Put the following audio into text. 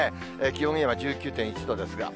気温が今、１９．１度ですが。